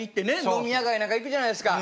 飲み屋街なんか行くじゃないですか。